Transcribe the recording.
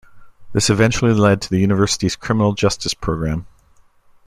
This eventually led to the university's criminal justice program.